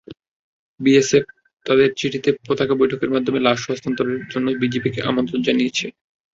BSF তাদের চিঠিতে পতাকা বৈঠকের মাধ্যমে লাশ হস্তান্তরের জন্য বিজিবিকে আমন্ত্রণ জানিয়েছে।